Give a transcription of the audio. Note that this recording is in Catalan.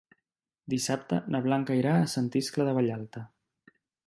Dissabte na Blanca irà a Sant Iscle de Vallalta.